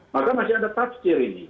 maka masih ada tafsir ini